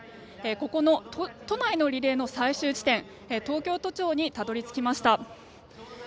ここ、都内のリレーの最終地点東京都庁にたどり着きました。